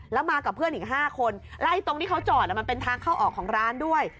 แล้วมากับเพื่อนอีก๕คนและตรงที่เขาจอดมันเป็นทางเข้าออกของร้านด้วย